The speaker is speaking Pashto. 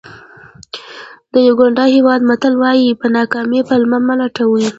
د یوګانډا هېواد متل وایي په ناکامۍ پلمه مه لټوئ.